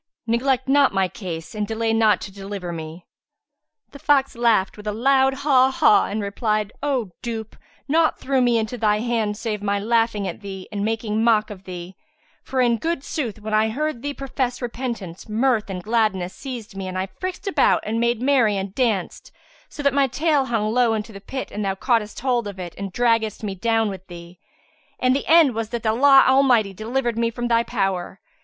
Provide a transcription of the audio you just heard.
neglect not my case and delay not to deliver me." The fox laughed with a loud haw haw and replied, "O dupe, naught threw me into thy hands save my laughing at thee and making mock of thee; for in good sooth when I heard thee profess repentance, mirth and gladness seized me and I frisked about and made merry and danced, so that my tail hung low into the pit and thou caughtest hold of it and draggedst me down with thee. And the end was that Allah Almighty delivered me from thy power.